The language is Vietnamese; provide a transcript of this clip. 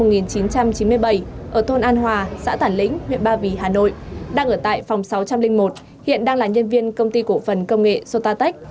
ở thôn an hòa xã tản lĩnh huyện ba vì hà nội đang ở tại phòng sáu trăm linh một hiện đang là nhân viên công ty cổ phần công nghệ sotatech